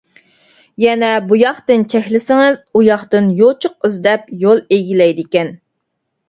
يەنە بۇياقتىن چەكلىسىڭىز ئۇياقتىن يوچۇق ئىزدەپ يول ئىگىلەيدىكەن.